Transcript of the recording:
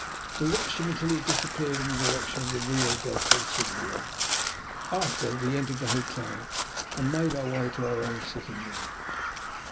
We watched him until he had disappeared in the direction of the Rio del Consiglio, after we entered the hotel and made our way to our own sitting room.